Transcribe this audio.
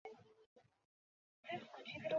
ভালো থেকো, কুকুর।